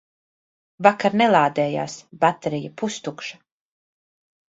Vakar nelādējās, baterija pustukša.